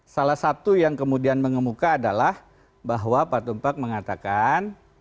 salah satu yang kemudian mengemuka adalah bahwa pak tumpak mengatakan